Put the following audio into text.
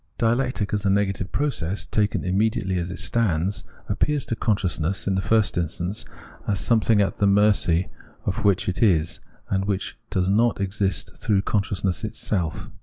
Dialectic as a negative process, taken immediately as it stands, appears to consciousness, in the first instance, as something at the mercy of which it is, and which does not exist through consciousness itself.